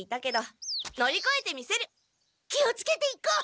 気をつけて行こう！